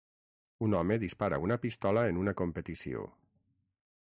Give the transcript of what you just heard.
Un home dispara una pistola en una competició.